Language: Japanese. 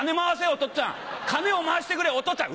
おとっつぁん金を回してくれおとっつぁん」。